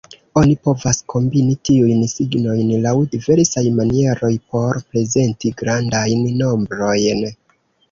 Oni povas kombini tiujn signojn laŭ diversaj manieroj por prezenti grandajn nombrojn.